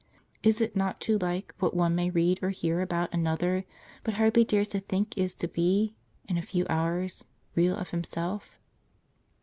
Is it not too like what one may read or hear about another. w but hardly dares to tliink is to be, in a few hours, real of himself?